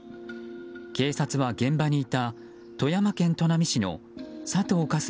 警察は現場にいた富山県砺波市の佐藤果純